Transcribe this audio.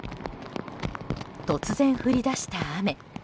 突然、降り出した雨。